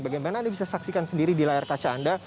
bagaimana anda bisa saksikan sendiri di layar kaca anda